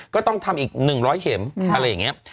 ก็ต้องทำอีก๑๐๐เข็มอะไรอย่างนี้